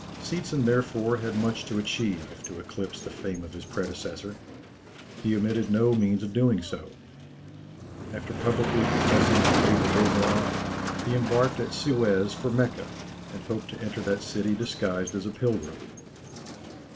Seetzen, therefore, had much to achieve to eclipse the fame of his predecessor. He omitted no means of doing so. After publicly professing the faith of Islam, he embarked at Suez for Mecca, and hoped to enter that city disguised as a pilgrim.